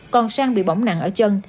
còn sang bị bỏng nặng ở chân